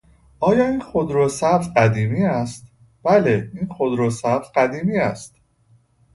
آیا این خودرو سبز قدیمی است؟ بله, این خودرو سبز قدیمی است.